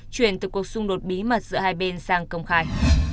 chuyển từ cuộc xung đột bí mật giữa hai bên sang công khai